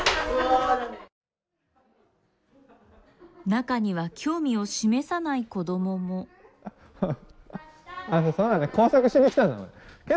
中には興味を示さない子どもも。ハハハ。